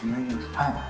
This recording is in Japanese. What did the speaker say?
はい！